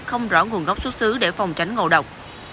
không rõ nguồn gốc xuất xứ để phòng tránh ngộ độc